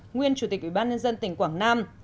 nguyên chủ tịch ubnd tỉnh quảng nam